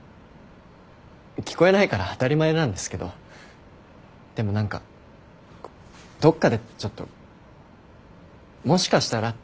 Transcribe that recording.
聞こえないから当たり前なんですけどでも何かどっかでちょっともしかしたらって。